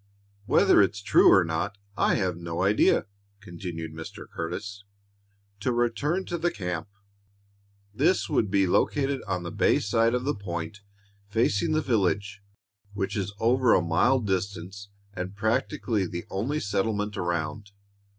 "Whether it's true or not, I have no idea," continued Mr. Curtis. "To return to the camp. This would be located on the bay side of the point, facing the village, which is over a mile distant and practically the only settlement around.